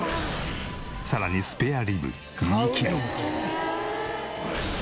さらにスペアリブ２キロ。